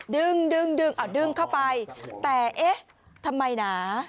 ดึงอ่ะดึงเข้าไปแต่เอ๊ะทำไมนะ